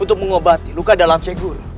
untuk mengobati luka dalam syekh guru